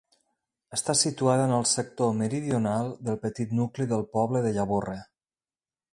Està situada en el sector meridional del petit nucli del poble de Llavorre.